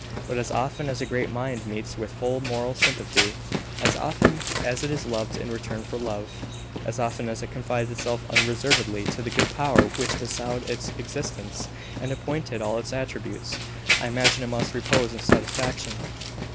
But as often as a great mind meets with full moral sympathy as often as it is loved in return for love as often as it confides itself unreservedly to the good Power which bestowed its existence, and appointed all its attributes, I imagine it must repose in satisfaction."